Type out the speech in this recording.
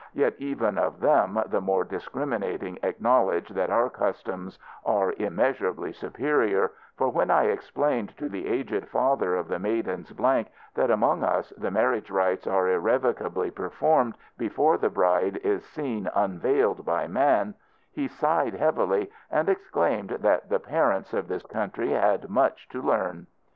(Yet even of them the more discriminating acknowledge that our customs are immeasurably superior; for when I explained to the aged father of the Maidens Blank that among us the marriage rites are irrevocably performed before the bride is seen unveiled by man, he sighed heavily and exclaimed that the parents of this country had much to learn.)